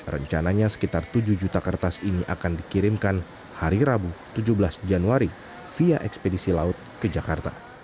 rencananya sekitar tujuh juta kertas ini akan dikirimkan hari rabu tujuh belas januari via ekspedisi laut ke jakarta